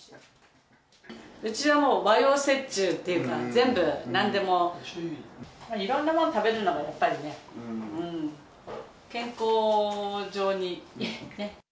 うちはもう和洋折衷というか、全部、なんでも、いろんなもの食べるのがやっぱりね、健康上にね。